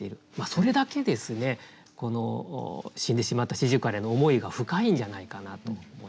それだけこの死んでしまった四十雀への思いが深いんじゃないかなと思います。